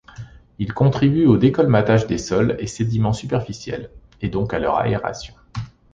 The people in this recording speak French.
Il contribue au décolmatage des sols et sédiments superficiels, et donc à leur aération.